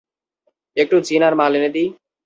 একটু জিন আর মাল এনে দিই?